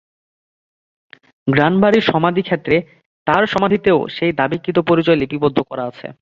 গ্রানবারি সমাধিক্ষেত্রে তার সমাধিতেও সেই দাবিকৃত পরিচয় লিপিবদ্ধ করা আছে।